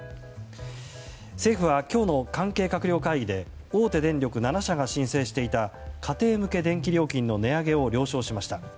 政府は、今日の関係閣僚会議で大手電力７社が申請していた家庭向け電気料金の値上げを了承しました。